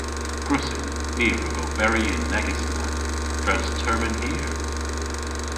Gwrussyn. Ni a wrug oberi yn negys na dres termyn hir.